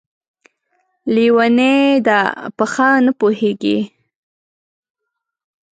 لېونۍ ده ، په ښه نه پوهېږي!